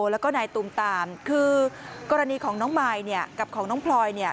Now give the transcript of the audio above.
แล้วก็นายตูมตามคือกรณีของน้องมายเนี่ยกับของน้องพลอยเนี่ย